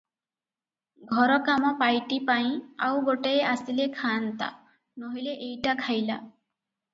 ଘର କାମ ପାଇଟିପାଇଁ ଆଉ ଗୋଟାଏ ଆସିଲେ ଖାଆନ୍ତା, ନୋହିଲେ ଏଇଟା ଖାଇଲା ।